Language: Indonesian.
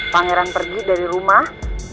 pangeran pergi dari rumah